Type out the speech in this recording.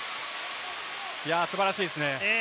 素晴らしいですね。